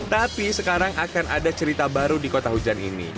tapi sekarang akan ada cerita baru di kota hujan ini